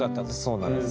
そうなんです。